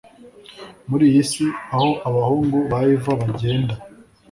muri iyi si aho abahungu ba eva bagenda